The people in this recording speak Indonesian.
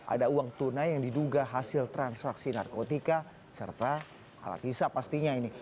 ada uang tunai yang diduga hasil transaksi narkotika serta alat hisap pastinya ini